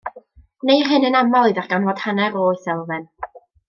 Gwneir hyn yn aml i ddarganfod hanner oes elfen.